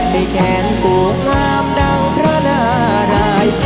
ให้แขนบวกงามดังพระนาราย